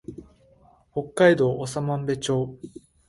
北海道長万部町